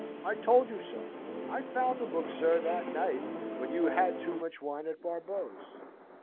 I told you so. I found the book, sir, that night, when you had too much wine at Barbeau's."